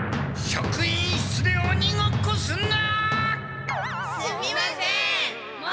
職員室でおにごっこするな！